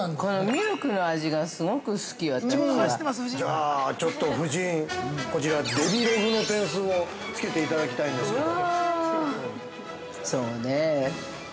◆じゃあ、ちょっと夫人こちら、デヴィログの点数をつけていただきたいんですけど。